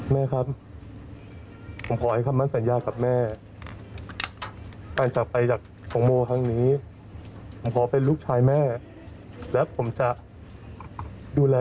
แม่ครับผมขอให้คำมั่นสัญญากับแม่การจากไปจากของโมครั้งนี้ผมขอเป็นลูกชายแม่และผมจะดูแล